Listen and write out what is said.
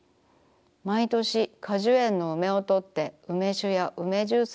まいとし果樹園の梅をとって梅酒や梅ジュースや梅干しをつくります。